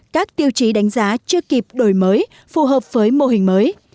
các tiêu chí đánh giá chưa kịp đổi mới phù hợp với mô hình mới